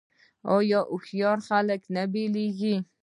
آیا هوښیار خلک نه بیلیږي؟